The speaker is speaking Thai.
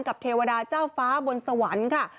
เทวดาเจ้าฟ้าบนสวรรค์ค่ะ